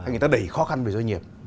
người ta đẩy khó khăn về doanh nghiệp